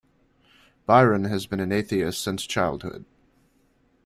Byron has been an atheist since childhood.